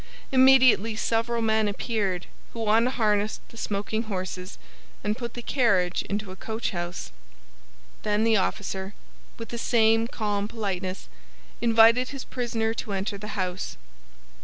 Immediately several men appeared, who unharnessed the smoking horses, and put the carriage into a coach house. Then the officer, with the same calm politeness, invited his prisoner to enter the house.